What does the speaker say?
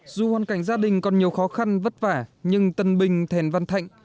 dù hoàn cảnh gia đình còn nhiều khó khăn vất vả nhưng tân binh thèn văn thạnh